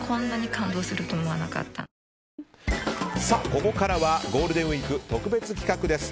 ここからはゴールデンウィーク特別企画です。